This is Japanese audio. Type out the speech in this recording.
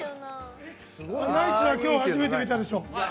ナイツは今日初めて見たでしょ。